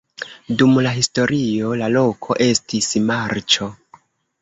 Dum la historio la loko estis marĉo.